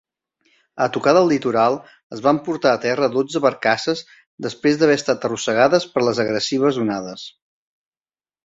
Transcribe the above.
A tocar del litoral, es van portar a terra dotze barcasses després d'haver estat arrossegades per les agressives onades.